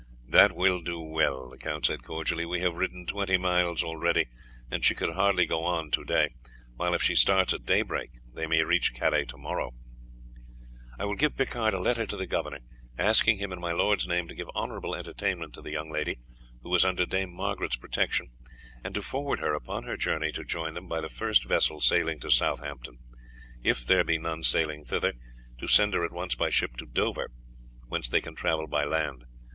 "That will do well," the count said cordially. "We have ridden twenty miles already, and she could hardly go on to day, while if she starts at daybreak they may reach Calais to morrow." "I will give Picard a letter to the governor, asking him in my lord's name to give honourable entertainment to the young lady, who is under Dame Margaret's protection, and to forward her upon her journey to join them by the first vessel sailing to Southampton, or if there be none sailing thither, to send her at once by ship to Dover, whence they can travel by land.